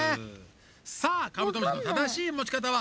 さあカブトムシの正しい持ち方は？